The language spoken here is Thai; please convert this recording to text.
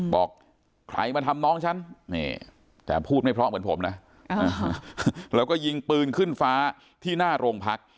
บอกใครมาทำน้องฉันแต่พูดไม่เพราะเหมือนผมนะแล้วก็ยิงปืนขึ้นฟ้าที่หน้าโรงพัก